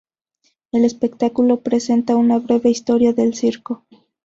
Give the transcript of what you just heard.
El espectáculo presenta una breve historia del Circo.